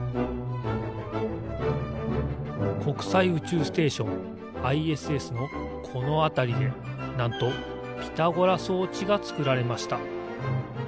こくさい宇宙ステーションＩＳＳのこのあたりでなんとピタゴラ装置がつくられました。